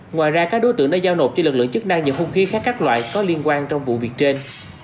ngoài ra các đối tượng đã giao nộp cho lực lượng chức năng nhiều hung khí khác các loại có liên quan trong vụ việc trên